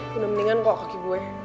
mudah mendingan kok kaki gue